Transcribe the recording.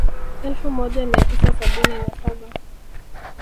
Elfu moja mia tisa sabini na saba